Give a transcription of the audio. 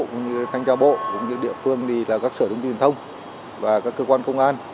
cũng như thanh tra bộ cũng như địa phương thì là các sở thông tin truyền thông và các cơ quan công an